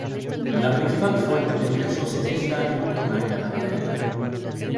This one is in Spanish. La principal fuente de ingresos es la agricultura y la ganadería.